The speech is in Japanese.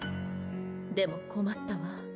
でも困ったわ。